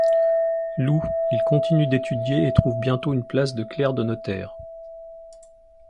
Loup, il continue d'étudier et trouve bientôt une place de clerc de notaire.